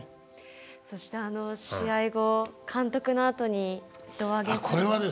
そしてあの試合後監督のあとに胴上げされてましたよね？